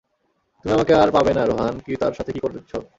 তুমি আমাকে আর পাবে না রোহান কি তার সাথে কি করেছ?